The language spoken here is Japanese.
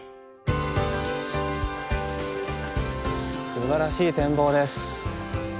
すばらしい展望です。